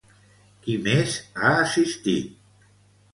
Qui més ha assistit?